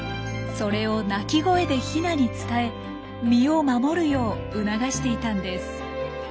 それを鳴き声でヒナに伝え身を守るよう促していたんです。